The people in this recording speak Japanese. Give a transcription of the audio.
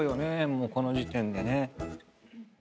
もうこの時点でね。